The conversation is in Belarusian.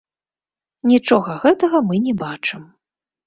Нічога гэтага мы не бачым.